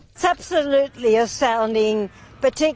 itu benar benar menarik